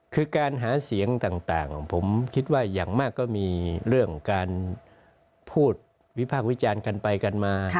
คือการหาเสียงต่างผมคิดว่าอย่างมากก็มีเรื่องการพูดวิพากษ์วิจารณ์กันไปกันมา